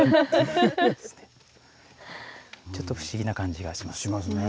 ちょっと不思議な感じがしますね。